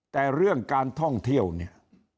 แต่เรื่องการท่องเที่ยวเนี่ย